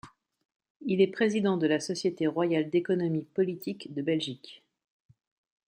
Il est président de la Société Royale d'Économie politique de Belgique.